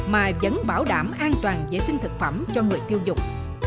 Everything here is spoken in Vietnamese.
mà vẫn bảo đảm an toàn vệ sinh thực phẩm cho người tiêu dùng